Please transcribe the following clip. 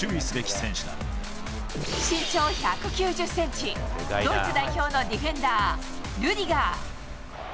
身長１９０センチ、ドイツ代表のディフェンダー、ルディガー。